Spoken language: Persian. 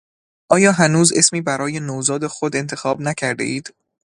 آیا هنوز اسمی برای نوزاد خود انتخاب نکردهاید؟